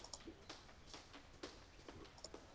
Esta sede funciona en dos turnos: mañana y noche.